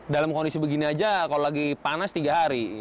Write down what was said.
dalam kondisi begini aja kalau lagi panas tiga hari